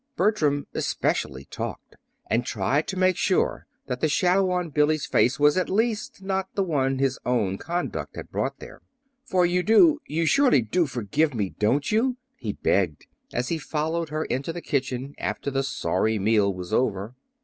Bertram, especially, talked, and tried to make sure that the shadow on Billy's face was at least not the one his own conduct had brought there. "For you do you surely do forgive me, don't you?" he begged, as he followed her into the kitchen after the sorry meal was over.